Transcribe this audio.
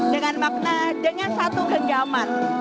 dengan satu genggaman